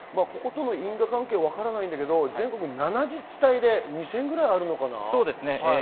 因果関係は分からないけれど、全国で７自治体、２０００ぐらいあるのかな？